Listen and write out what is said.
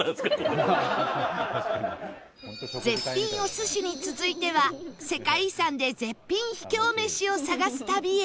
絶品お寿司に続いては世界遺産で絶品秘境飯を探す旅へ